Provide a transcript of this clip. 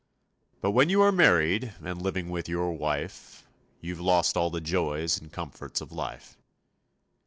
But when you are married And living with your wife, You've lost all the joys And comforts of life.